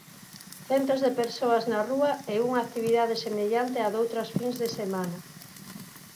Centos de persoas na rúa e unha actividade semellante á doutras fins de semana.